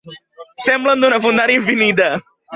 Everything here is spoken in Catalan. Semblen d'una fondària infinita.